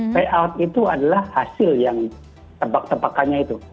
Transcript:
payout itu adalah hasil yang tebak tepakannya itu